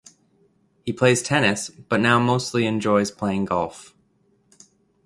He plays tennis but now mostly enjoys playing golf.